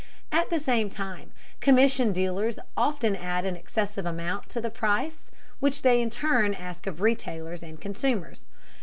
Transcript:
At the same time, commission dealers often add an excessive amount to the price which they in turn ask of retailers and consumers.